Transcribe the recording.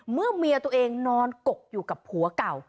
เมียตัวเองนอนกกอยู่กับผัวเก่า